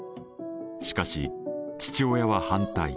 しかし父親は反対。